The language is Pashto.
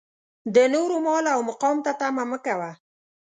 د نورو مال او مقام ته طمعه مه کوه.